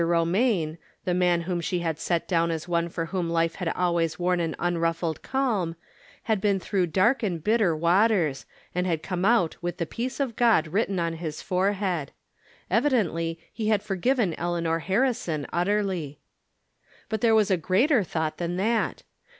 Romaine, the man whom she had set down as one for whom life had always worn an unruffled calm, had been through dark and bitter waters, and had come out with the peace of God written on his fore head. Evidently he had forgiven Eleanor Harri son, utterly. But there was a greater thought than that.